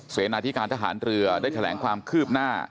เสนาธิการทหารเรือได้แถลงความคืบหน้า